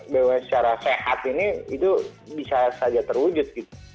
bumn secara sehat ini itu bisa saja terwujud gitu